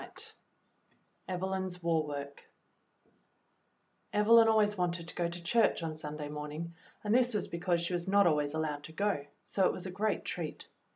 y Evelyn^ s War Work EVELYN always wanted to go to church on Sun day morning, and this was because she was not always allowed to go, so it was a great treat.